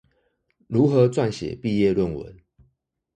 如何撰寫畢業論文